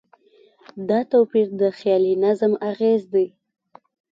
دا توپیر د خیالي نظم اغېز دی.